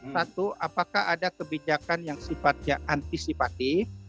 satu apakah ada kebijakan yang sifatnya antisipatif